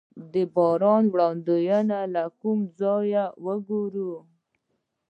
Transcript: د باران وړاندوینه له کوم ځای وګورم؟